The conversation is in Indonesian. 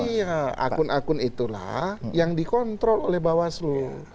iya akun akun itulah yang dikontrol oleh mbak waslu